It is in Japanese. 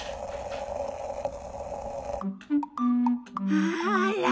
あら！